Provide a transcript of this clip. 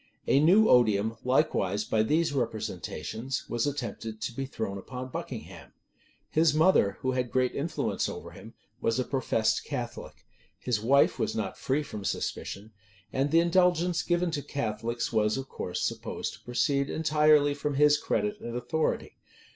A new odium, likewise, by these representations, was attempted to be thrown upon Buckingham. His mother, who had great influence over him, was a professed Catholic; his wife was not free from suspicion: and the indulgence given to Catholics was of course supposed to proceed entirely from his credit and authority.